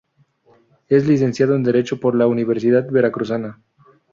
Es licenciado en Derecho por la Universidad Veracruzana.